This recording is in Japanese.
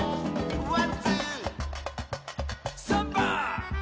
「ワンツー」「サンバ！」